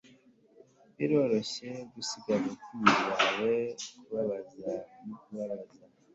biroroshye gusiga abakunzi bawe kubabaza no kubaza